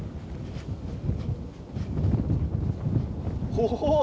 おお！